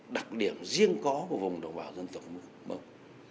đặc điểm riêng có của vùng đồng bào dân tộc mông